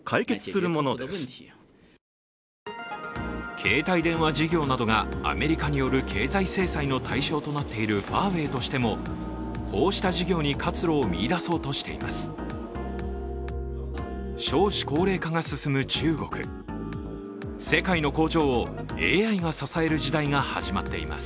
携帯電話事業などがアメリカによる経済制裁の対象となっているファーウェイとしてもこうした事業に活路を見いだそうとしています。